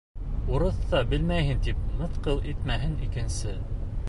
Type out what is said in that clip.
— Урыҫса белмәйһең тип мыҫҡыл итмәһен икенсе...